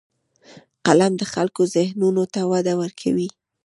قلم د خلکو ذهنونو ته وده ورکوي